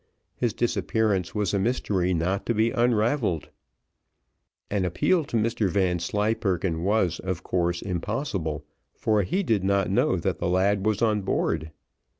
His disappearance was a mystery not to be unravelled. An appeal to Mr Vanslyperken was, of course, impossible, for he did not know that the lad was on board.